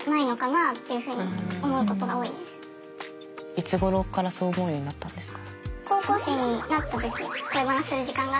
いつごろからそう思うようになったんですか？